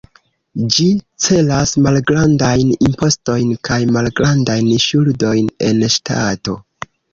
Ĝi celas malgrandajn impostojn kaj malgrandajn ŝuldojn en ŝtato.